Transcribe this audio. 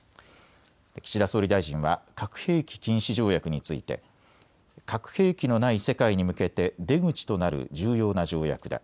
岸田総理大臣は核兵器禁止条約について核兵器のない世界に向けて出口となる重要な条約だ。